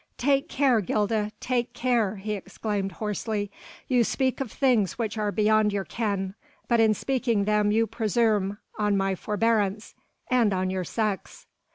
"Take care, Gilda, take care!" he exclaimed hoarsely, "you speak of things which are beyond your ken, but in speaking them you presume on my forebearance ... and on your sex."